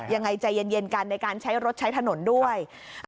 ยังไงใจเย็นกันในการใช้รถใช้ถนนด้วย